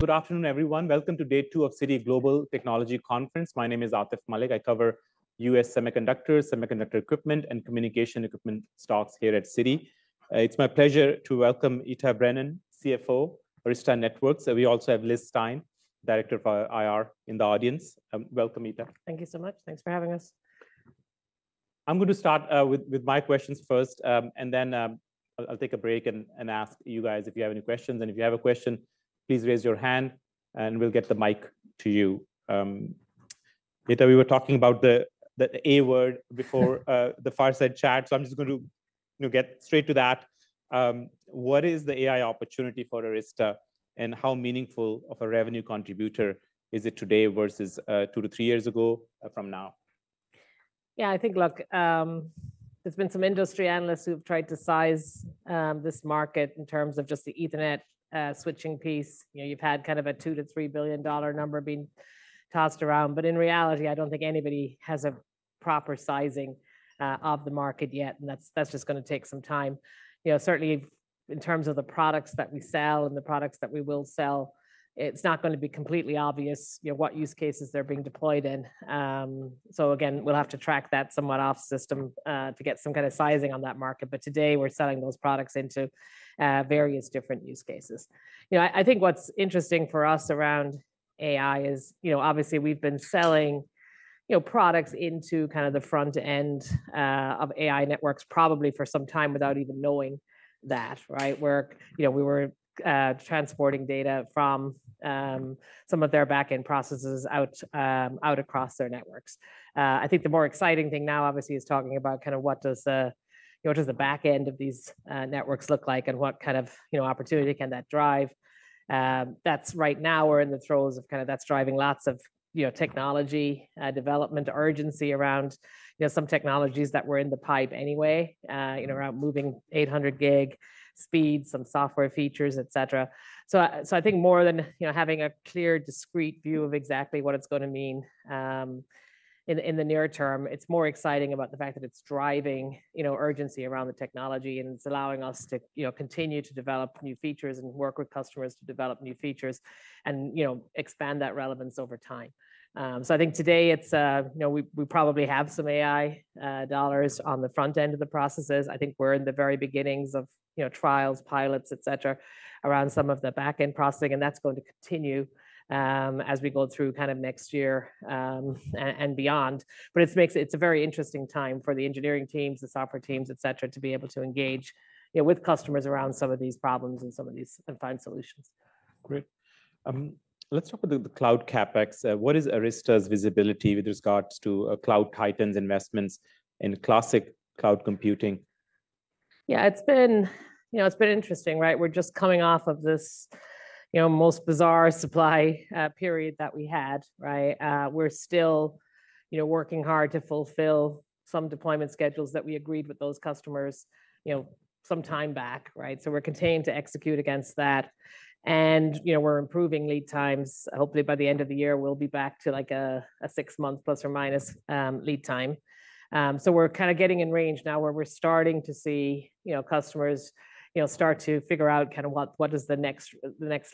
Good afternoon, everyone. Welcome to day two of Citi Global Technology Conference. My name is Atif Malik. I cover U.S. semiconductor, semiconductor equipment, and communication equipment stocks here at Citi. It's my pleasure to welcome Ita Brennan, CFO, Arista Networks, and we also have Liz Stine, Director of IR, in the audience. Welcome, Ita. Thank you so much. Thanks for having us. I'm going to start with my questions first, and then I'll take a break and ask you guys if you have any questions. And if you have a question, please raise your hand, and we'll get the mic to you. Ita, we were talking about the A word before the fireside chat, so I'm just going to, you know, get straight to that. What is the AI opportunity for Arista, and how meaningful of a revenue contributor is it today versus two to three years ago from now? Yeah, I think, look, there's been some industry analysts who've tried to size this market in terms of just the Ethernet switching piece. You know, you've had kind of a $2 billion to $3 billion number being tossed around, but in reality, I don't think anybody has a proper sizing of the market yet, and that's, that's just gonna take some time. You know, certainly in terms of the products that we sell and the products that we will sell, it's not going to be completely obvious, you know, what use cases they're being deployed in. So again, we'll have to track that somewhat off system to get some kind of sizing on that market. But today, we're selling those products into various different use cases. You know, I think what's interesting for us around AI is, you know, obviously we've been selling, you know, products into kind of the front end of AI networks probably for some time without even knowing that, right? We're-- you know, we were transporting data from some of their back-end processes out across their networks. I think the more exciting thing now, obviously, is talking about kind of what does, you know, what does the back end of these networks look like, and what kind of, you know, opportunity can that drive? That's -- right now, we're in the throes of kind of that's driving lots of, you know, technology development, urgency around, you know, some technologies that were in the pipe anyway, you know, around moving 800Gb speeds, some software features, et cetera. So, I think more than, you know, having a clear, discrete view of exactly what it's going to mean, in the near term, it's more exciting about the fact that it's driving, you know, urgency around the technology, and it's allowing us to, you know, continue to develop new features and work with customers to develop new features and, you know, expand that relevance over time. So I think today it's... You know, we probably have some AI dollars on the front end of the processes. I think we're in the very beginnings of, you know, trials, pilots, et cetera, around some of the back-end processing, and that's going to continue, as we go through kind of next year, and beyond. It's a very interesting time for the engineering teams, the software teams, et cetera, to be able to engage, you know, with customers around some of these problems and find solutions. Great. Let's talk about the Cloud CapEx. What is Arista's visibility with regards to Cloud Titans' investments in classic cloud computing? Yeah, it's been, you know, it's been interesting, right? We're just coming off of this, you know, most bizarre supply period that we had, right? We're still, you know, working hard to fulfill some deployment schedules that we agreed with those customers, you know, some time back, right? So we're continuing to execute against that. And, you know, we're improving lead times. Hopefully, by the end of the year, we'll be back to, like, a six-month, plus or minus, lead time. So we're kind of getting in range now, where we're starting to see, you know, customers, you know, start to figure out kind of what does the next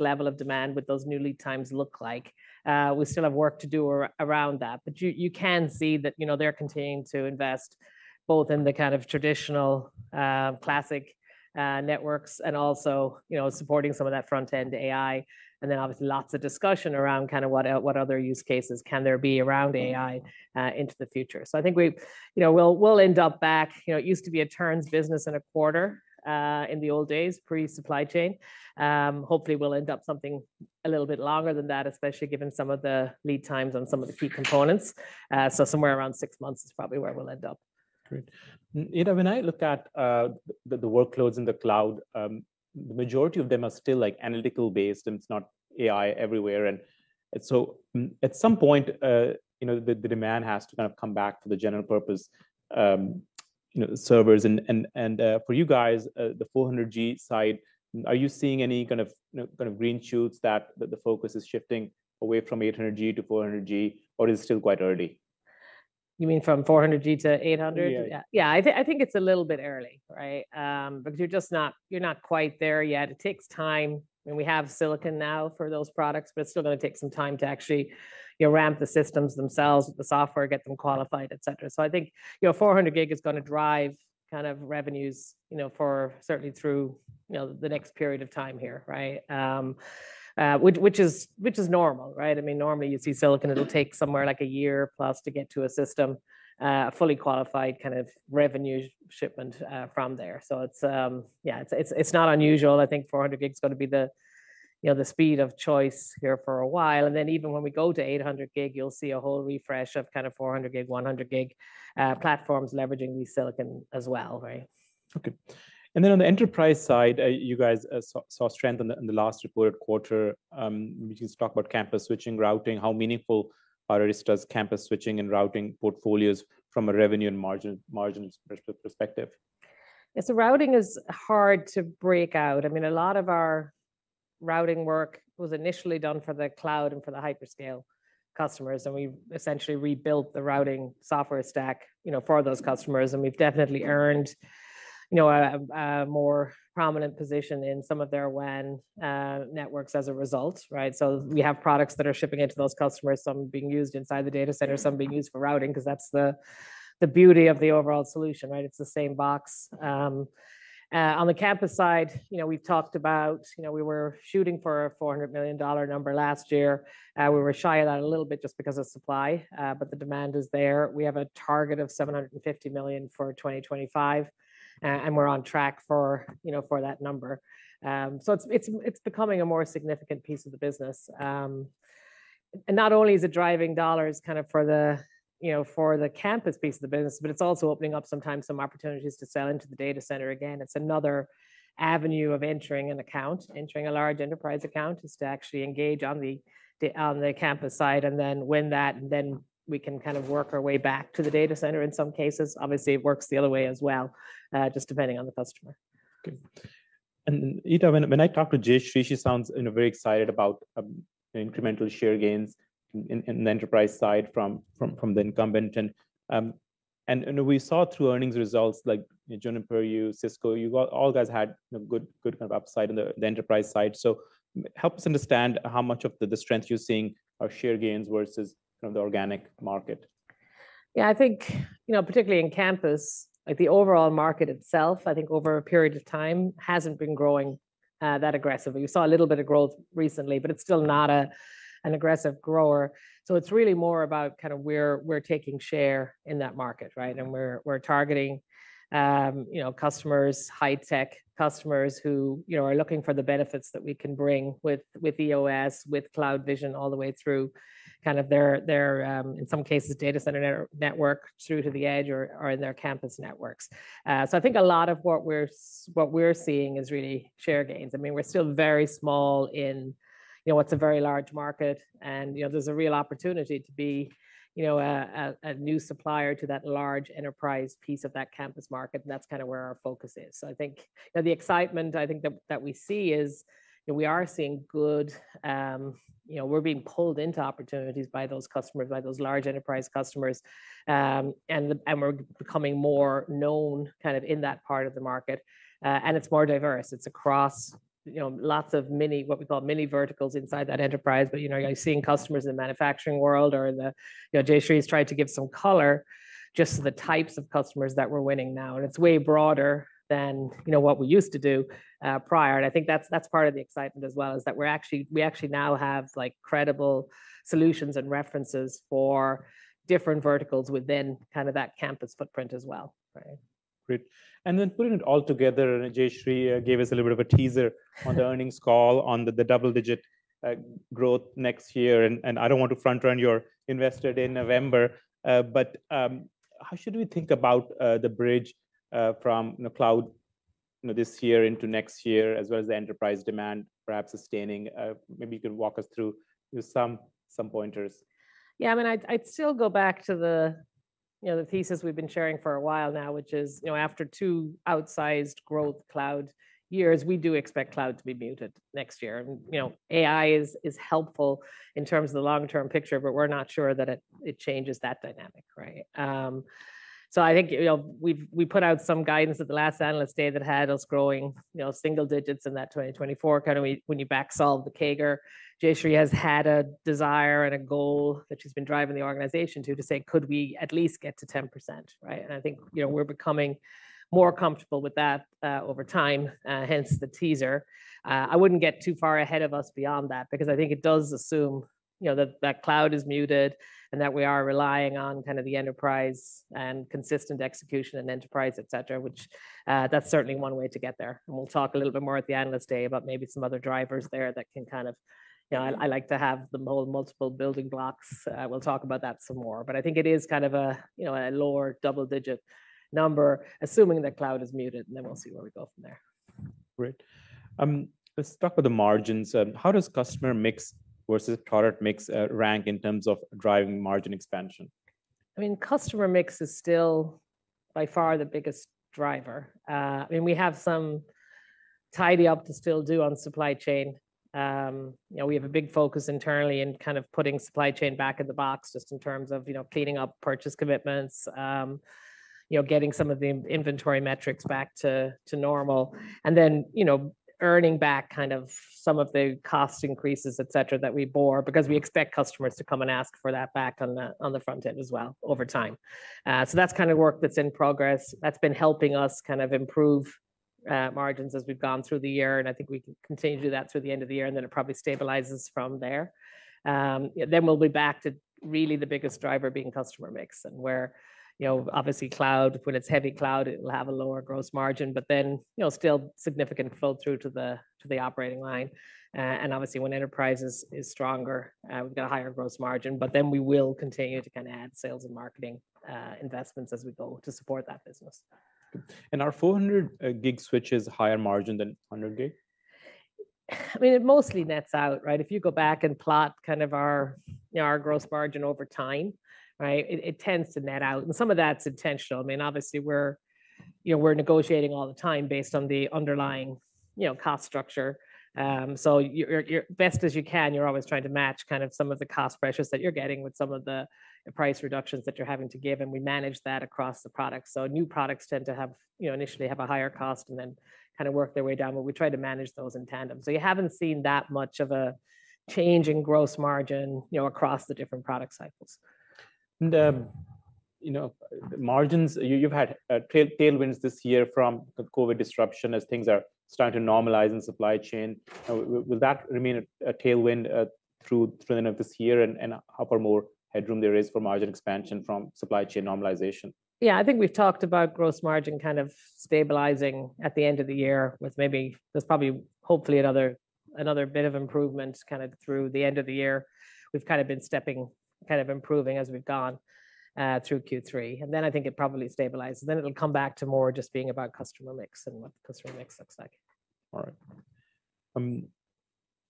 level of demand with those new lead times look like? We still have work to do around that, but you, you can see that, you know, they're continuing to invest both in the kind of traditional, classic, networks and also, you know, supporting some of that front end AI, and then obviously lots of discussion around kind of what, what other use cases can there be around AI, into the future. So I think we've-- you know, we'll end up back... You know, it used to be a turns business and a quarter, in the old days, pre-supply chain. Hopefully, we'll end up something a little bit longer than that, especially given some of the lead times on some of the key components. So somewhere around six months is probably where we'll end up. Great. Ita, when I look at the workloads in the cloud, the majority of them are still, like, analytical based, and it's not AI everywhere. And so at some point, you know, the demand has to kind of come back for the general purpose, you know, servers. And for you guys, the 400G side, are you seeing any kind of, you know, kind of green shoots that the focus is shifting away from 800G to 400G, or it's still quite early? You mean from 400G to 800G? Yeah. Yeah. Yeah, I think, I think it's a little bit early, right? Because you're just not—you're not quite there yet. It takes time, and we have silicon now for those products, but it's still gonna take some time to actually, you know, ramp the systems themselves, the software, get them qualified, et cetera. So I think, you know, 400 G is gonna drive kind of revenues, you know, for certainly through, you know, the next period of time here, right? Which, which is, which is normal, right? I mean, normally, you see silicon, it'll take somewhere like a year plus to get to a system, a fully qualified kind of revenue shipment, from there. So it's. Yeah, it's, it's, it's not unusual. I think 400G is gonna be the, you know, the speed of choice here for a while, and then even when we go to 800G, you'll see a whole refresh of kind of 400G, 100G, platforms leveraging the silicon as well, right? Okay. And then, on the enterprise side, you guys saw strength in the last reported quarter. We can talk about Campus Switching, Routing. How meaningful are Arista's Campus Switching and Routing portfolios from a revenue and margin perspective? Yes, the routing is hard to break out. I mean, a lot of our routing work was initially done for the cloud and for the hyperscale customers, and we've essentially rebuilt the routing software stack, you know, for those customers, and we've definitely earned, you know, a more prominent position in some of their WAN networks as a result, right? So we have products that are shipping into those customers, some being used inside the data center, some being used for routing, 'cause that's the beauty of the overall solution, right? It's the same box. On the campus side, you know, we've talked about, you know, we were shooting for a $400 million number last year. We were shy of that a little bit just because of supply, but the demand is there. We have a target of $750 million for 2025, and we're on track for, you know, for that number. So it's, it's, it's becoming a more significant piece of the business. And not only is it driving dollars kind of for the, you know, for the campus piece of the business, but it's also opening up sometimes some opportunities to sell into the data center again. It's another avenue of entering an account. Entering a large enterprise account is to actually engage on the, on the campus side, and then win that, and then we can kind of work our way back to the data center in some cases. Obviously, it works the other way as well, just depending on the customer. Good. And, Ita, when I talk to Jayshree, she sounds, you know, very excited about the incremental share gains in the enterprise side from the incumbent. And we saw through earnings results, like Juniper, you, Cisco, you got all you guys had, you know, good kind of upside in the enterprise side. So help us understand how much of the strength you're seeing are share gains versus kind of the organic market? Yeah, I think, you know, particularly in campus, like, the overall market itself, I think over a period of time, hasn't been growing that aggressively. You saw a little bit of growth recently, but it's still not a, an aggressive grower. So it's really more about kind of where we're taking share in that market, right? And we're targeting, you know, customers, high tech customers who, you know, are looking for the benefits that we can bring with, with EOS, with CloudVision, all the way through kind of their, their, in some cases, data center network through to the edge or, or in their campus networks. So I think a lot of what we're seeing is really share gains. I mean, we're still very small in, you know, what's a very large market and, you know, there's a real opportunity to be, you know, a new supplier to that large enterprise piece of that campus market, and that's kind of where our focus is. So I think, you know, the excitement, I think, that we see is, you know, we are seeing good. You know, we're being pulled into opportunities by those customers, by those large enterprise customers, and we're becoming more known kind of in that part of the market. And it's more diverse. It's across, you know, lots of mini, what we call mini verticals inside that enterprise. But, you know, you're seeing customers in the manufacturing world or in the, you know, Jayshree's tried to give some color, just the types of customers that we're winning now, and it's way broader than, you know, what we used to do, prior. And I think that's, that's part of the excitement as well, is that we're actually- we actually now have, like, credible solutions and references for different verticals within kind of that campus footprint as well. Right. Great. And then putting it all together, and Jayshree gave us a little bit of a teaser on the earnings call, on the double-digit growth next year. And I don't want to front run your investor day in November, but how should we think about the bridge from the cloud, you know, this year into next year, as well as the enterprise demand, perhaps sustaining? Maybe you could walk us through some pointers. Yeah, I mean, I'd still go back to the, you know, the thesis we've been sharing for a while now, which is, you know, after two outsized growth cloud years, we do expect cloud to be muted next year. And, you know, AI is helpful in terms of the long-term picture, but we're not sure that it changes that dynamic, right? So I think, you know, we've put out some guidance at the last Analyst Day that had us growing, you know, single digits in that 2024. When you back solve the CAGR, Jayshree has had a desire and a goal that she's been driving the organization to say: Could we at least get to 10%, right? And I think, you know, we're becoming more comfortable with that over time, hence the teaser. I wouldn't get too far ahead of us beyond that, because I think it does assume, you know, that that cloud is muted, and that we are relying on kind of the enterprise and consistent execution and enterprise, et cetera, which, that's certainly one way to get there. And we'll talk a little bit more at the Analyst Day about maybe some other drivers there that can kind of... You know, I like to have the multiple building blocks. We'll talk about that some more, but I think it is kind of a, you know, a lower double-digit number, assuming the cloud is muted, and then we'll see where we go from there. Great. Let's talk about the margins. How does customer mix versus product mix rank in terms of driving margin expansion? I mean, customer mix is still by far the biggest driver. I mean, we have some tidy up to still do on supply chain. You know, we have a big focus internally in kind of putting supply chain back in the box, just in terms of, you know, cleaning up purchase commitments, you know, getting some of the in-inventory metrics back to, to normal, and then, you know, earning back kind of some of the cost increases, et cetera, that we bore, because we expect customers to come and ask for that back on the, on the front end as well, over time. So that's kind of work that's in progress. That's been helping us kind of improve, margins as we've gone through the year, and I think we can continue to do that through the end of the year, and then it probably stabilizes from there. Then we'll be back to really the biggest driver being customer mix, and where, you know, obviously cloud, when it's heavy cloud, it will have a lower gross margin, but then, you know, still significant flow through to the, to the operating line. And obviously, when enterprise is, is stronger, we've got a higher gross margin, but then we will continue to kind of add sales and marketing, investments as we go to support that business. Are 400G switches higher margin than 100G?... I mean, it mostly nets out, right? If you go back and plot kind of our, you know, our gross margin over time, right, it, it tends to net out. And some of that's intentional. I mean, obviously we're, you know, we're negotiating all the time based on the underlying, you know, cost structure. So you're best as you can, you're always trying to match kind of some of the cost pressures that you're getting with some of the price reductions that you're having to give, and we manage that across the products. So new products tend to have, you know, initially have a higher cost and then kind of work their way down, but we try to manage those in tandem. So you haven't seen that much of a change in gross margin, you know, across the different product cycles. You know, margins. You've had tailwinds this year from the COVID disruption as things are starting to normalize in supply chain. Will that remain a tailwind through to the end of this year? And how far more headroom there is for margin expansion from supply chain normalization? Yeah, I think we've talked about gross margin kind of stabilizing at the end of the year, with maybe there's probably hopefully another, another bit of improvement kind of through the end of the year. We've kind of been stepping, kind of improving as we've gone through Q3. And then I think it probably stabilizes, and then it'll come back to more just being about customer mix and what the customer mix looks like. All right.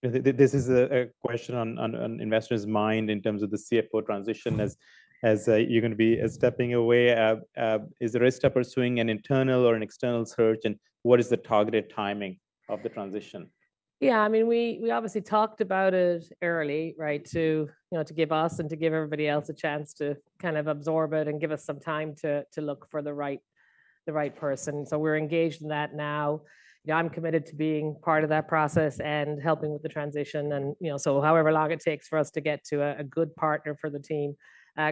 This is a question on investors' mind in terms of the CFO transition. As you're gonna be stepping away, is there a step pursuing an internal or an external search, and what is the targeted timing of the transition? Yeah, I mean, we obviously talked about it early, right? To you know to give us and to give everybody else a chance to kind of absorb it and give us some time to look for the right person. So we're engaged in that now. Yeah, I'm committed to being part of that process and helping with the transition and you know so however long it takes for us to get to a good partner for the team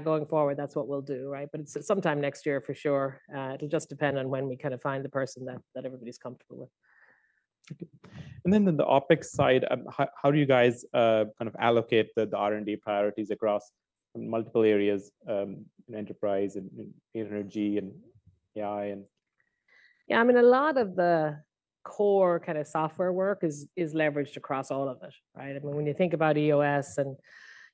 going forward, that's what we'll do, right? But it's sometime next year for sure. It'll just depend on when we kind of find the person that everybody's comfortable with. Okay. Then on the OpEx side, how do you guys kind of allocate the R&D priorities across multiple areas in enterprise and energy and AI, and- Yeah, I mean, a lot of the core kind of software work is, is leveraged across all of it, right? I mean, when you think about EOS and,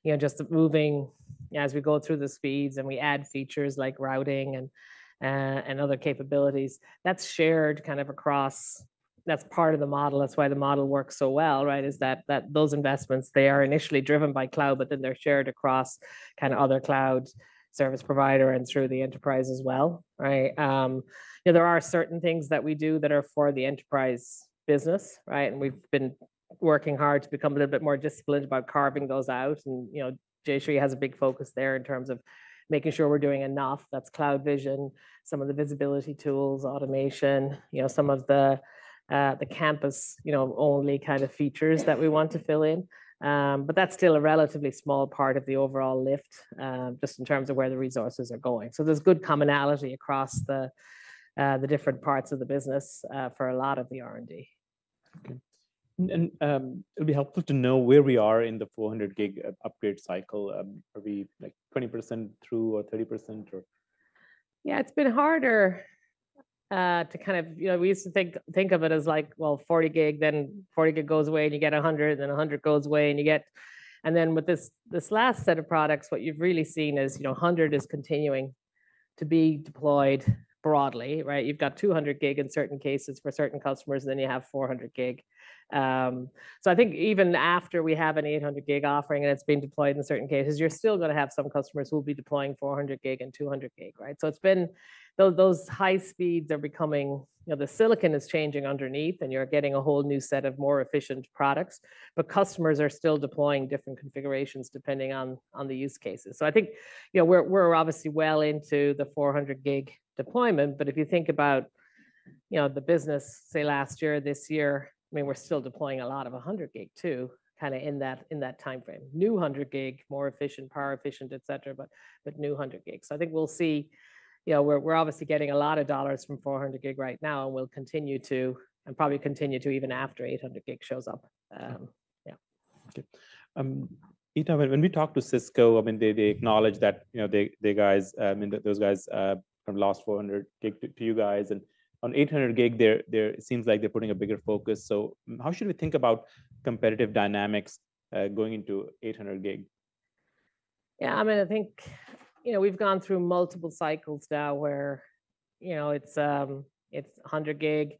you know, just moving... Yeah, as we go through the speeds and we add features like routing and, and other capabilities, that's shared kind of across. That's part of the model. That's why the model works so well, right? Is that, that those investments, they are initially driven by cloud, but then they're shared across kind of other cloud service provider and through the enterprise as well, right? You know, there are certain things that we do that are for the enterprise business, right? And we've been working hard to become a little bit more disciplined about carving those out. And, you know, Jayshree has a big focus there in terms of making sure we're doing enough. That's CloudVision, some of the visibility tools, automation, you know, some of the campus, you know, only kind of features that we want to fill in. But that's still a relatively small part of the overall lift, just in terms of where the resources are going. So there's good commonality across the different parts of the business, for a lot of the R&D. Okay. And, it'll be helpful to know where we are in the 400G upgrade cycle. Are we, like, 20% through or 30%, or? Yeah, it's been harder to kind of... You know, we used to think of it as like, well, 40G, then 40G goes away, and you get a 100G, and then a 100G goes away, and you get-- And then with this, this last set of products, what you've really seen is, you know, a 100G is continuing to be deployed broadly, right? You've got 200G in certain cases for certain customers, and then you have 400G. So I think even after we have an 800G offering, and it's been deployed in certain cases, you're still gonna have some customers who will be deploying 400G and 200G, right? So it's been, those, those high speeds are becoming... You know, the silicon is changing underneath, and you're getting a whole new set of more efficient products, but customers are still deploying different configurations depending on, on the use cases. So I think, you know, we're, we're obviously well into the 400G deployment, but if you think about, you know, the business, say, last year, this year, I mean, we're still deploying a lot of 100G too, kind of in that, in that timeframe. New 100G, more efficient, power efficient, et cetera, but, but new 100G. So I think we'll see... You know, we're, we're obviously getting a lot of dollars from 400G right now, and we'll continue to, and probably continue to even after 800G shows up. Yeah. Okay. Ita, when we talked to Cisco, I mean, they acknowledged that, you know, they, those guys, I mean, those guys have lost 400G to you guys. And on 800G, they're, it seems like they're putting a bigger focus. How should we think about competitive dynamics going into 800G? Yeah, I mean, I think, you know, we've gone through multiple cycles now where, you know, it's 100G.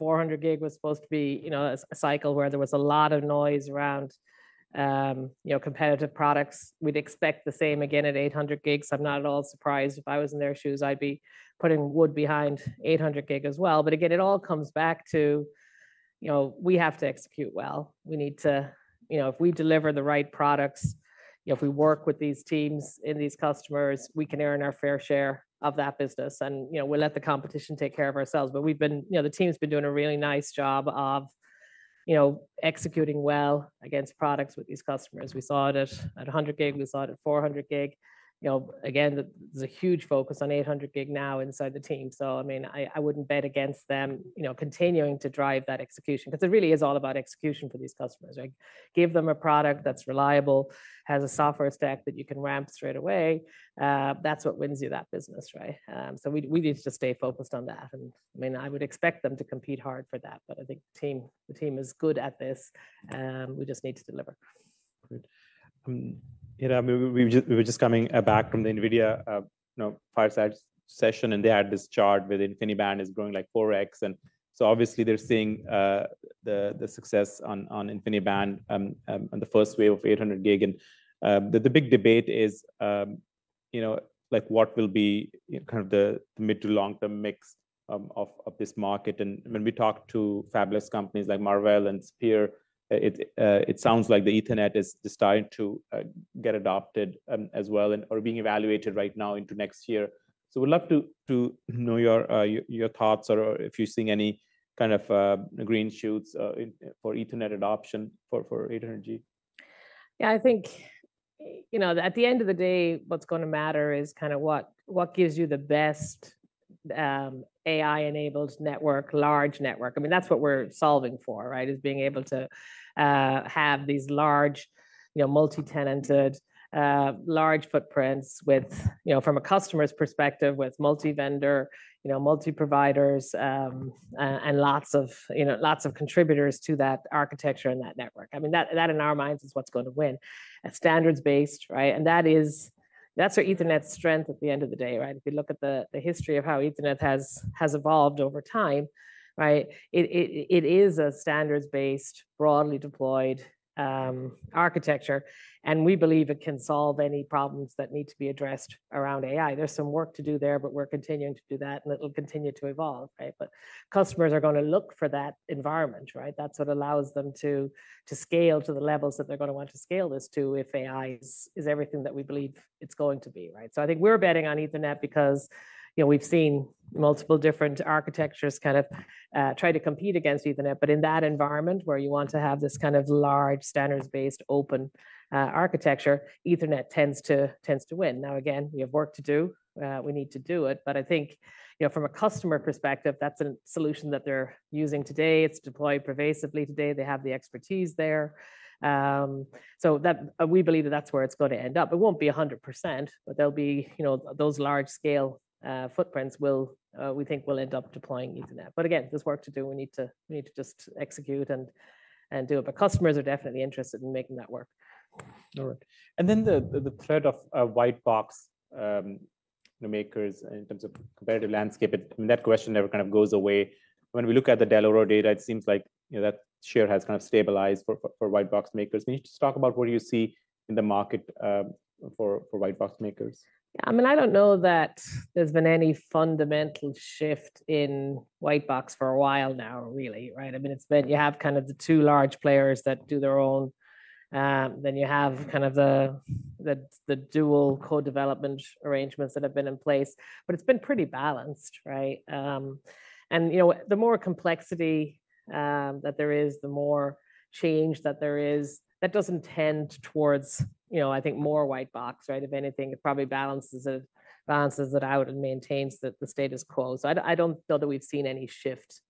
400G was supposed to be, you know, a cycle where there was a lot of noise around, you know, competitive products. We'd expect the same again at 800G. I'm not at all surprised. If I was in their shoes, I'd be putting wood behind 800G as well. But again, it all comes back to, you know, we have to execute well. We need to... You know, if we deliver the right products, if we work with these teams and these customers, we can earn our fair share of that business. And, you know, we'll let the competition take care of ourselves. But we've been. You know, the team's been doing a really nice job of, you know, executing well against products with these customers. We saw it at, at 100G, we saw it at 400G. You know, again, there's a huge focus on 800G now inside the team. So, I mean, I wouldn't bet against them, you know, continuing to drive that execution, because it really is all about execution for these customers, right? Give them a product that's reliable, has a software stack that you can ramp straight away. That's what wins you that business, right? So we need to stay focused on that. And, I mean, I would expect them to compete hard for that, but I think the team, the team is good at this, we just need to deliver. Great. You know, I mean, we were just, we were just coming back from the NVIDIA, you know, Fireside session, and they had this chart where InfiniBand is growing, like, 4x. Obviously they're seeing the success on InfiniBand, on the first wave of 800G. The big debate is, you know, like, what will be, you know, kind of the mid to long-term mix of this market? When we talk to fabless companies like Marvell and Spear, it sounds like Ethernet is starting to get adopted, as well, and are being evaluated right now into next year. We'd love to know your thoughts or if you're seeing any kind of green shoots for Ethernet adoption for 800G. Yeah, I think, you know, at the end of the day, what's gonna matter is kind of what gives you the best AI-enabled network, large network. I mean, that's what we're solving for, right? Is being able to have these large, you know, multi-tenanted large footprints with, you know, from a customer's perspective, with multi-vendor, you know, multi-providers and lots of, you know, lots of contributors to that architecture and that network. I mean, that in our minds is what's going to win. It's standards-based, right? And that is, that's where Ethernet's strength at the end of the day, right? If you look at the history of how Ethernet has evolved over time, right? It is a standards-based, broadly deployed architecture, and we believe it can solve any problems that need to be addressed around AI. There's some work to do there, but we're continuing to do that, and it'll continue to evolve, right? But customers are gonna look for that environment, right? That's what allows them to, to scale to the levels that they're gonna want to scale this to, if AI is, is everything that we believe it's going to be, right? So I think we're betting on Ethernet because, you know, we've seen multiple different architectures kind of, try to compete against Ethernet. But in that environment where you want to have this kind of large, standards-based, open, architecture, Ethernet tends to, tends to win. Now, again, we have work to do. We need to do it, but I think, you know, from a customer perspective, that's a solution that they're using today. It's deployed pervasively today. They have the expertise there. So that we believe that that's where it's going to end up. It won't be 100%, but there'll be, you know, those large-scale footprints will, we think will end up deploying Ethernet. But again, there's work to do. We need to, we need to just execute and, and do it. But customers are definitely interested in making that work. All right. And then the threat of White Box, you know, makers in terms of competitive landscape, and that question never kind of goes away. When we look at the Dell'Oro data, it seems like, you know, that share has kind of stabilized for White Box makers. Can you just talk about what you see in the market for White Box makers? Yeah, I mean, I don't know that there's been any fundamental shift in white box for a while now, really, right? I mean, it's been—you have kind of the two large players that do their own, then you have kind of the dual co-development arrangements that have been in place, but it's been pretty balanced, right? And, you know, the more complexity that there is, the more change that there is, that doesn't tend towards, you know, I think, more white box, right? If anything, it probably balances it, balances it out and maintains the status quo. So I don't feel that we've seen any shift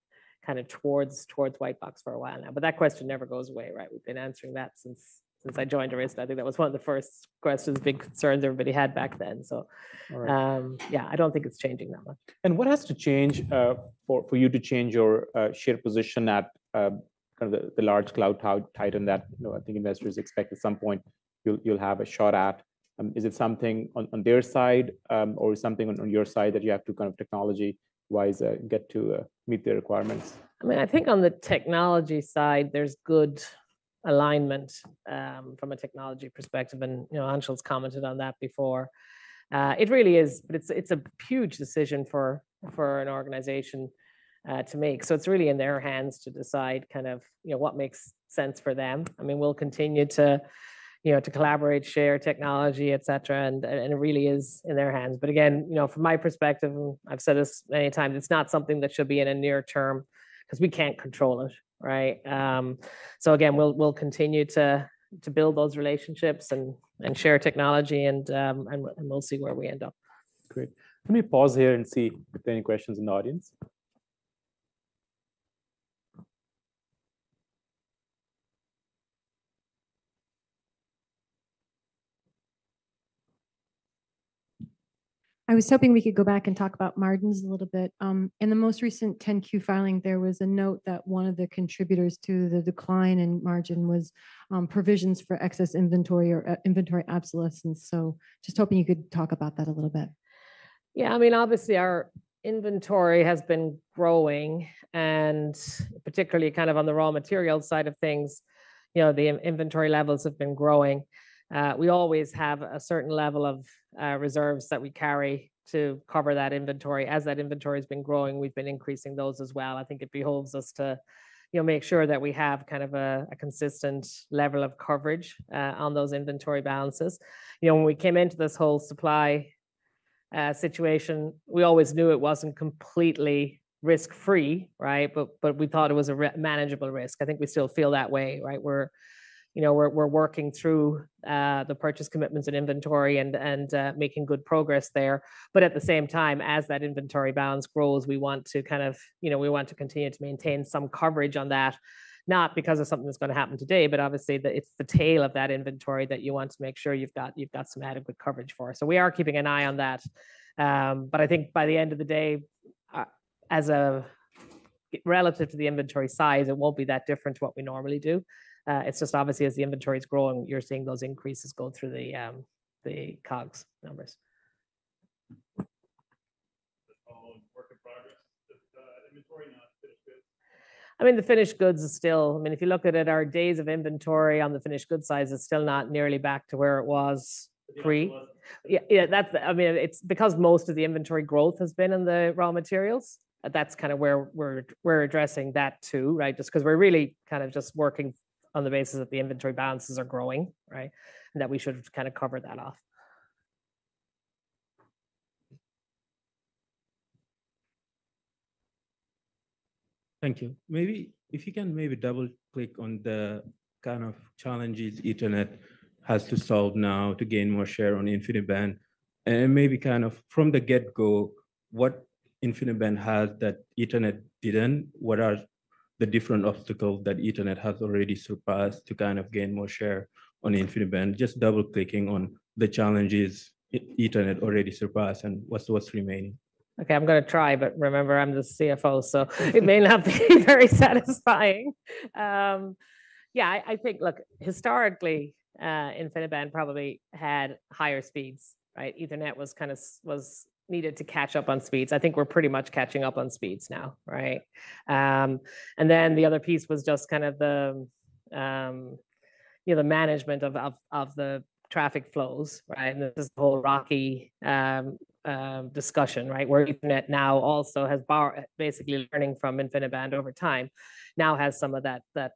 kind of towards white box for a while now, but that question never goes away, right? We've been answering that since I joined Arista. I think that was one of the first questions, big concerns everybody had back then, so- All right. Yeah, I don't think it's changing that much. What has to change for you to change your share position at kind of the large cloud titan that you know I think investors expect at some point you'll have a shot at? Is it something on their side or something on your side that you have to kind of technology-wise get to meet their requirements? I mean, I think on the technology side, there's good alignment, from a technology perspective, and, you know, Anshul's commented on that before. It really is, but it's, it's a huge decision for, for an organization, to make. So it's really in their hands to decide kind of, you know, what makes sense for them. I mean, we'll continue to, you know, to collaborate, share technology, et cetera, and, and it really is in their hands. But again, you know, from my perspective, I've said this many times, it's not something that should be in a near term, 'cause we can't control it, right? So again, we'll, we'll continue to, to build those relationships and, and share technology and, and we'll see where we end up. Great. Let me pause here and see if there are any questions in the audience. I was hoping we could go back and talk about margins a little bit. In the most recent 10-Q filing, there was a note that one of the contributors to the decline in margin was, provisions for excess inventory or, inventory obsolescence. So just hoping you could talk about that a little bit. Yeah, I mean, obviously, our inventory has been growing, and particularly kind of on the raw material side of things, you know, the inventory levels have been growing. We always have a certain level of reserves that we carry to cover that inventory. As that inventory has been growing, we've been increasing those as well. I think it behooves us to, you know, make sure that we have kind of a consistent level of coverage on those inventory balances. You know, when we came into this whole supply situation, we always knew it wasn't completely risk-free, right? But we thought it was a manageable risk. I think we still feel that way, right? We're, you know, working through the purchase commitments and inventory and making good progress there. But at the same time, as that inventory balance grows, we want to kind of, you know, we want to continue to maintain some coverage on that, not because of something that's going to happen today, but obviously, it's the tail of that inventory that you want to make sure you've got, you've got some adequate coverage for. So we are keeping an eye on that. But I think by the end of the day, as of relative to the inventory size, it won't be that different to what we normally do. It's just obviously as the inventory is growing, you're seeing those increases go through the, the COGS numbers. [inaudible] All work in progress, the inventory, not finished goods? I mean, the finished goods is still, I mean, if you look at it, our days of inventory on the finished goods side is still not nearly back to where it was pre. Yeah, it was. Yeah, yeah, that's the. I mean, it's because most of the inventory growth has been in the raw materials, that's kind of where we're, we're addressing that too, right? Just 'cause we're really kind of just working on the basis that the inventory balances are growing, right? And that we should kind of cover that off. Thank you. Maybe if you can maybe double-click on the kind of challenges Ethernet has to solve now to gain more share on InfiniBand, and maybe kind of from the get-go, what InfiniBand has that Ethernet didn't. What are the different obstacles that Ethernet has already surpassed to kind of gain more share on InfiniBand? Just double-clicking on the challenges Ethernet already surpassed, and what's remaining. Okay, I'm gonna try, but remember, I'm the CFO, so it may not be very satisfying. Yeah, I think, look, historically, InfiniBand probably had higher speeds, right? Ethernet was kind of was needed to catch up on speeds. I think we're pretty much catching up on speeds now, right? And then the other piece was just kind of the, you know, the management of the traffic flows, right? And there's this whole RoCE discussion, right, where Ethernet now also has basically learning from InfiniBand over time, now has some of that, that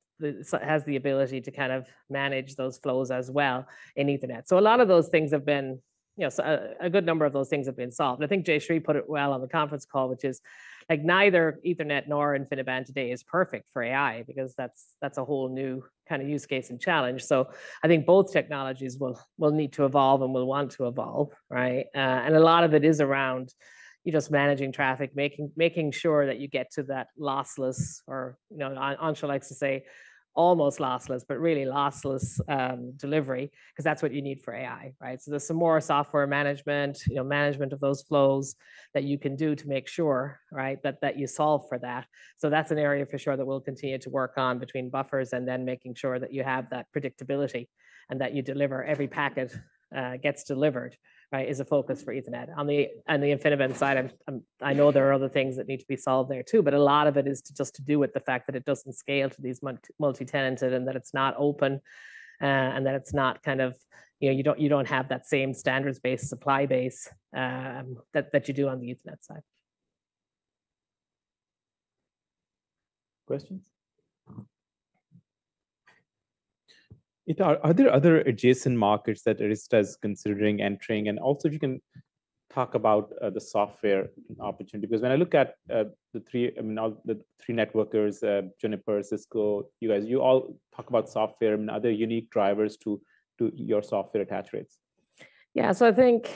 has the ability to kind of manage those flows as well in Ethernet. So a lot of those things have been, you know, so a good number of those things have been solved. I think Jayshree put it well on the conference call, which is, like, neither Ethernet nor InfiniBand today is perfect for AI, because that's a whole new kind of use case and challenge. So I think both technologies will need to evolve and will want to evolve, right? And a lot of it is around you just managing traffic, making sure that you get to that lossless or, you know, Anshul likes to say, almost lossless, but really lossless, delivery, 'cause that's what you need for AI, right? So there's some more software management, you know, management of those flows that you can do to make sure, right, that you solve for that. So that's an area for sure that we'll continue to work on between buffers, and then making sure that you have that predictability, and that you deliver every packet gets delivered, right, is a focus for Ethernet. On the InfiniBand side, I know there are other things that need to be solved there too, but a lot of it is just to do with the fact that it doesn't scale to these multi-tenanted, and that it's not open, and that it's not kind of... You know, you don't have that same standards-based supply base, that you do on the Ethernet side. Questions? Ita, are there other adjacent markets that Arista is considering entering? And also, if you can talk about the software opportunity. Because when I look at the three, I mean, now the three networkers, Juniper, Cisco, you guys, you all talk about software and other unique drivers to your software attach rates. Yeah. So I think,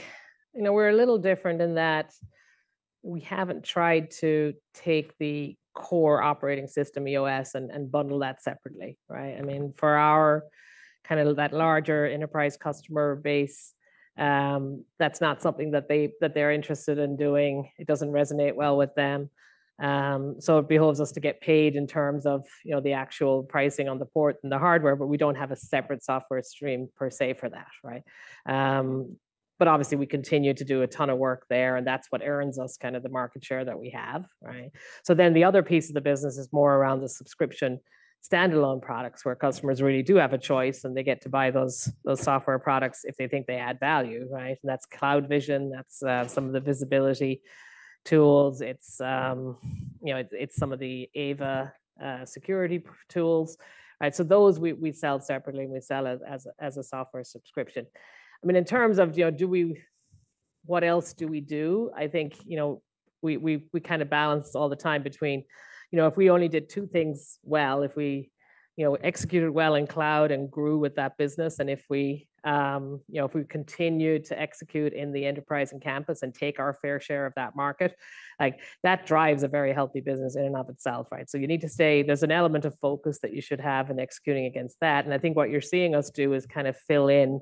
you know, we're a little different in that we haven't tried to take the core operating system, EOS, and bundle that separately, right? I mean, for our kind of that larger enterprise customer base, that's not something that they're interested in doing. It doesn't resonate well with them. So it behooves us to get paid in terms of, you know, the actual pricing on the port and the hardware, but we don't have a separate software stream per se for that, right? But obviously, we continue to do a ton of work there, and that's what earns us kind of the market share that we have, right? So then the other piece of the business is more around the subscription standalone products, where customers really do have a choice, and they get to buy those, those software products if they think they add value, right? And that's CloudVision, that's some of the visibility tools. It's, you know, it's some of the Ava security tools. Right, so those we sell separately, and we sell as a software subscription. I mean, in terms of, you know, do we—what else do we do? I think, you know, we kind of balance all the time between, you know, if we only did two things well, if we, you know, executed well in cloud and grew with that business, and if we, you know, if we continued to execute in the enterprise and campus and take our fair share of that market, like, that drives a very healthy business in and of itself, right? So you need to stay. There's an element of focus that you should have in executing against that, and I think what you're seeing us do is kind of fill in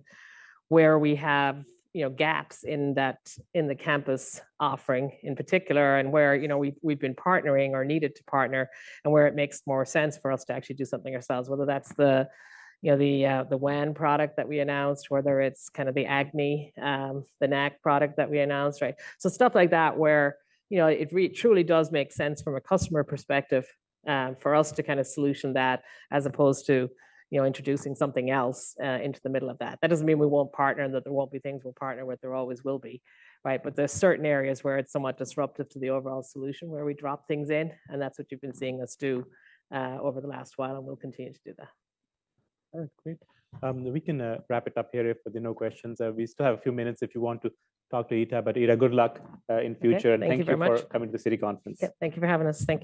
where we have, you know, gaps in that, in the campus offering in particular, and where, you know, we've been partnering or needed to partner, and where it makes more sense for us to actually do something ourselves, whether that's the, you know, the WAN product that we announced, whether it's kind of the AGNI, the NAC product that we announced, right? So stuff like that, where, you know, it really truly does make sense from a customer perspective, for us to kind of solution that as opposed to, you know, introducing something else, into the middle of that. That doesn't mean we won't partner and that there won't be things we'll partner with. There always will be, right? But there are certain areas where it's somewhat disruptive to the overall solution where we drop things in, and that's what you've been seeing us do over the last while, and we'll continue to do that. All right, great. We can wrap it up here if there are no questions. We still have a few minutes if you want to talk to Ita, but, Ita, good luck in future- Okay, thank you very much. Thank you for coming to the Citi conference. Yep, thank you for having us. Thank you.